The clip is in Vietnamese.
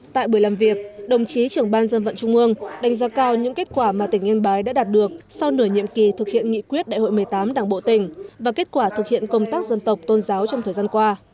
tại buổi làm việc đồng chí trưởng ban dân vận trung ương đánh giá cao những kết quả mà tỉnh yên bái đã đạt được sau nửa nhiệm kỳ thực hiện nghị quyết đại hội một mươi tám đảng bộ tỉnh và kết quả thực hiện công tác dân tộc tôn giáo trong thời gian qua